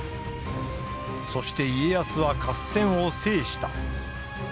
そして家康は合戦を制した。